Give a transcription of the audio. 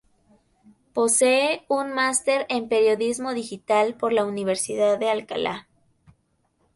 Posee un máster en Periodismo Digital por la Universidad de Alcalá.